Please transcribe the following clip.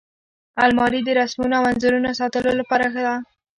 الماري د رسمونو او انځورونو ساتلو لپاره ده